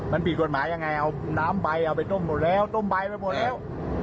มันผิดกฎหมายยังไงเอาน้ำใบเอาไปต้มหมดแล้วต้มใบไปหมดแล้ว